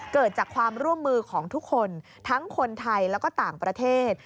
เกิดจากความร่วมมือของทุกคนทั้งคนไทยแล้วก็ต่างประเทศ